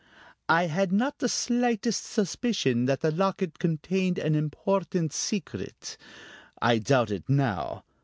I had not the slightest suspicion that the locket contained an important secret; I doubt it now.